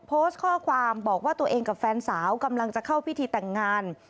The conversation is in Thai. โพสต์ข้อความบอกว่าตัวเองกับแฟนสาวกำลังจะเข้าพิธีแต่งงาน